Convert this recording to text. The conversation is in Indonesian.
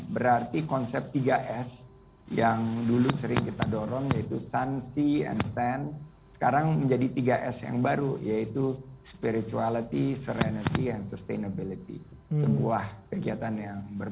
berarti konsep tiga s yang dulu sering kita dorong yaitu sun sea and sand sekarang menjadi tiga s yang baru yaitu spirituality serenity and sustainability